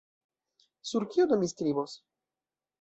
Sur kio do mi skribos?